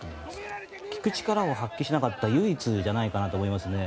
聞く力を発揮しなかった唯一じゃないかと思いますね。